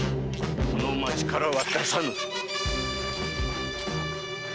この町からは出さぬ！